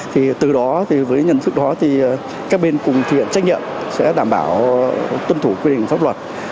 thì từ đó với nhận thức đó các bên cùng thiện trách nhiệm sẽ đảm bảo tuân thủ quy định pháp luật